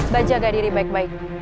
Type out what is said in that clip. kita jaga diri baik baik